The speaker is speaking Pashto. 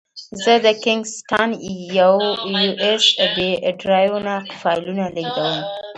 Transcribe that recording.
زه د کینګ سټان یو ایس بي ډرایو نه فایلونه لېږدوم.